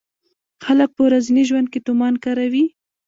خلک په ورځني ژوند کې تومان کاروي.